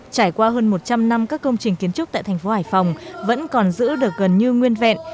trải qua hơn một trăm linh năm các công trình kiến trúc tại thành phố hải phòng vẫn còn giữ được gần như nguyên vẹn